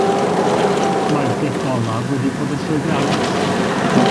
Mae'r gic olaf wedi bod yn llwyddiannus.